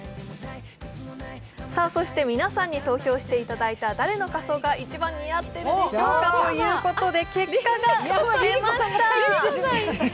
そして皆さんに投票していただいた、「誰の仮装が一番似合ってるで賞！」ということで結果が出ました。